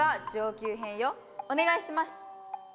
おねがいします。